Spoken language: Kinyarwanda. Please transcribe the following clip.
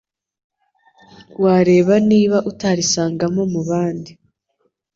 wareba niba utarisangamo mubandi